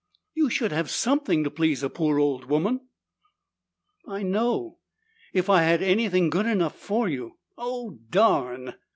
"You should have somethin' to please a poor old woman." "I know. If I had anything good enough for you Oh, darn!"